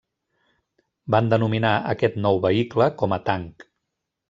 Van denominar aquest nou vehicle com a tanc.